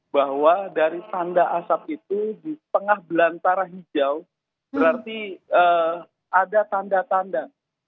bahwa dari tanda asap itu di tengah belantara hijau berarti ada tanda tanda